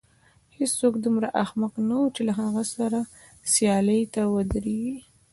هېڅوک دومره احمق نه و چې له هغه سره سیالۍ ته ودرېږي.